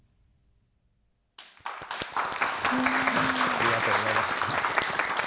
ありがとうございます。